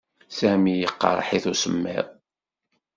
Sami yeqreḥ-it usemmiḍ.